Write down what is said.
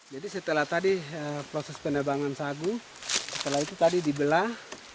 jadi setelah tadi proses penebangan sagu setelah itu tadi dibelah